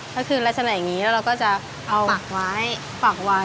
แล้วคือราชนัยอย่างนี้เราก็จะเอาปักไว้